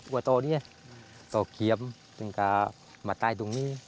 กว่าตอนเนี้ยต่อเขียมถึงกับมาตายตรงนี้